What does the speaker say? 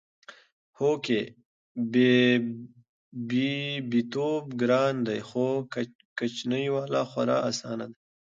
هو کې! بيبيتوب ګران دی خو کچنۍ واله خورا اسانه ده